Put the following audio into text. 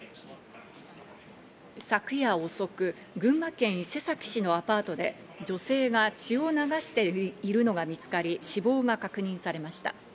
昨夜遅く、群馬県伊勢崎市のアパートで女性が血を流しているのが見つかり、死亡が確認されました。